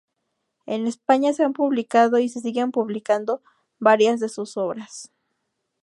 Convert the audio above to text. En España se han publicado y se siguen publicando varias de sus obras.